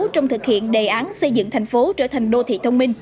trong thực hiện đề án xây dựng thành phố trở thành đô thị thông minh